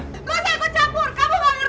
tidak usah aku campur